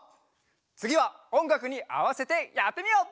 つぎはおんがくにあわせてやってみよう！